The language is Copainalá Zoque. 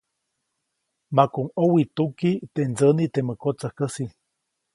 Makuʼuŋ ʼowituki teʼ ndsäniʼ temä kotsäjkäsi.